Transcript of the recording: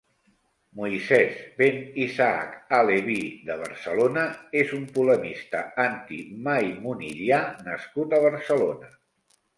Moisès ben Isaac ha-Leví de Barcelona és un polemista anti-maimonidià nascut a Barcelona.